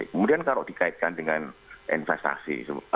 kemudian kalau dikaitkan dengan investasi